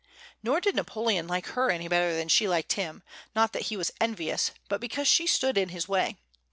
Nor did Napoleon like her any better than she liked him, not that he was envious, but because she stood in his way.